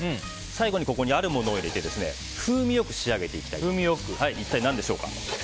最後にここにあるものを入れて風味よく仕上げていきたいと思います。